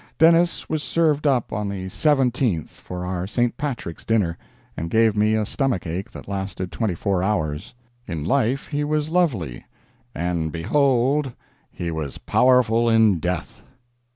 Dennis was served up on the 17th for our St. Patrick's dinner, and gave me a stomach ache that lasted twenty four hours. In life he was lovely, and behold, he was powerful in death.